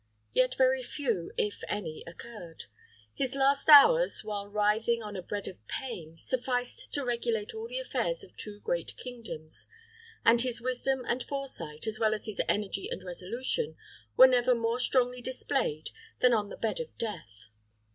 Yet very few, if any, occurred. His last hours, while writhing on a bed of pain, sufficed to regulate all the affairs of two great kingdoms, and his wisdom and foresight, as well as his energy and resolution, were never more strongly displayed than on the bed of death.